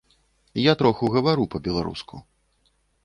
Я троху гавару па-беларуску.